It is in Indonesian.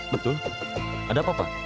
betul ada apa apa